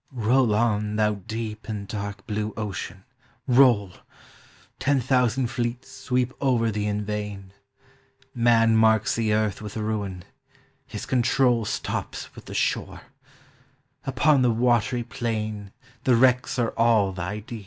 Roll on, thou deep and dark blue Ocean, roll! Ten thousand fleets sweep over thee in vain; Man marks the earth with ruin, bis control Stops with the shore; upon the waters plain The wrecks are all thy <U^\.